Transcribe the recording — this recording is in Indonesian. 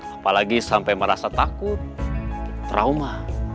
apalagi sampai merasa takut trauma